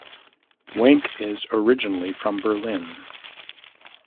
Wenk is originally from Berlin.